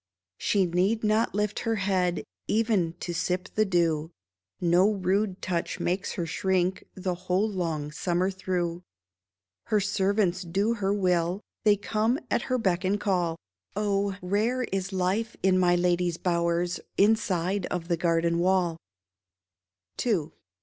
She need not lift her head Even to sip the dew ; No rude touch makes her shrink The whole long summer through. Her servants do her will ; They come at her beck and call. Oh, rare is life in my lady's bowers Inside of the garden wall ! II.